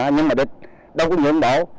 nhưng mà địch đâu có nhuận bảo